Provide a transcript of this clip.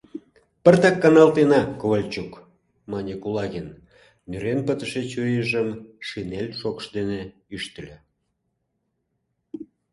— Пыртак каналтена, Ковальчук, — мане Кулагин, нӧрен пытыше чурийжым шинель шокш дене ӱштыльӧ.